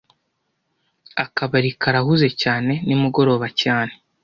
Akabari karahuze cyane nimugoroba cyane